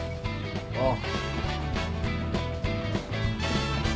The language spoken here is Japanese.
ああ。